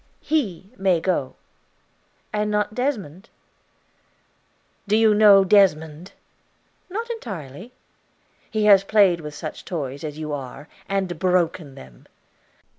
"He may go." "And not Desmond?" "Do you know Desmond?" "Not entirely." "He has played with such toys as you are, and broken them."